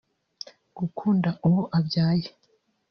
gukunda uwo abyaye